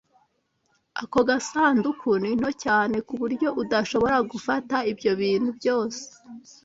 Ako gasanduku ni nto cyane ku buryo udashobora gufata ibyo bintu byose.